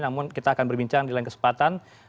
namun kita akan berbincang di lain kesempatan